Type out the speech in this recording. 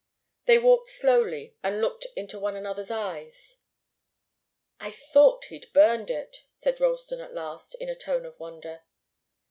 They walked slowly, and looked into one another's eyes. "I thought he'd burned it," said Ralston at last, in a tone of wonder.